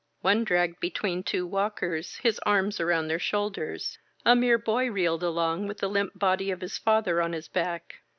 One dragged be tween two walkers, his arms around their shoulders. A mere boy reeled along with the limp body of his father on his back.